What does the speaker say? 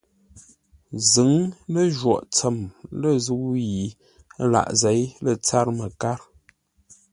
Zʉ̌ŋ ləjwôghʼ tsəm lə̂ zə̂u yi laʼ zěi lə̂ tsâr məkár.